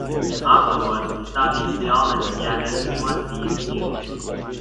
Afterwards he studied theology at the University in Kiel.